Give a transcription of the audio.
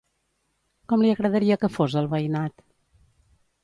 Com li agradaria que fos el veïnat?